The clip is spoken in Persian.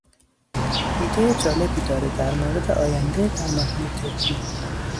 ایده جالبی داره در مورد آینده درمانهای طبی